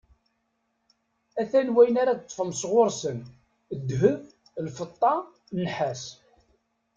A-t-an wayen ara d-teṭṭfem sɣur-sen: ddheb, lfeṭṭa, nnḥas